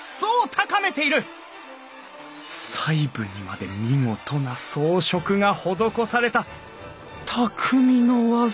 細部にまで見事な装飾が施されたたくみの技！